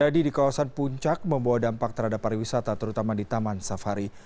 pada hari ini di kawasan puncak membawa dampak terhadap para wisata terutama di taman safari